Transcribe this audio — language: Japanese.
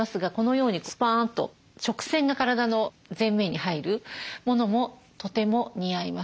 このようにスパンと直線が体の前面に入るものもとても似合います。